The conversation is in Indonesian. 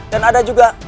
dan ada juga